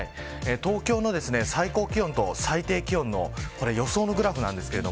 東京の最高気温と最低気温の予想のグラフです。